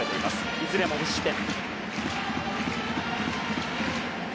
いずれも無失点。